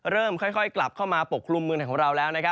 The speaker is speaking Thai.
เริ่มค่อยกลับเข้ามาปกคลุมเมืองไทยของเราแล้ว